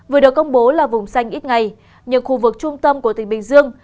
vừa được công bố là vùng xanh ít ngày nhưng khu vực trung tâm của tỉnh bình dương